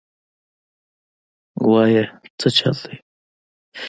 وايه سه چل دې.